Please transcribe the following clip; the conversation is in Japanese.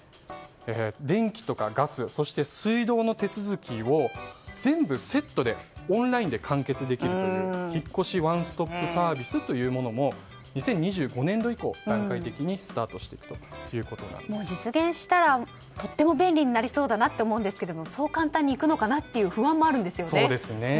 電気とかガス、水道の手続きを全部セットでオンラインで完結できるという引越しワンストップサービスというものも２０２５年度以降、段階的に実現したらとても便利になりそうだなと思うんですがそう簡単にいくのかなという不安もあるんですよね。